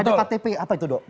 ada ktp apa itu dok